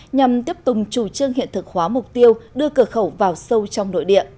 nhằm tiếp tục chủ trương hiện thực hóa mục tiêu đưa cửa khẩu vào sâu trong nội địa